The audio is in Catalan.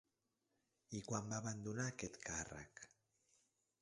I quan va abandonar aquest càrrec?